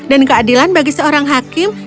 dan keadilan bagi seorang hakim